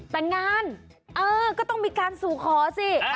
แต่งานก็ต้องมีการสูขอสิ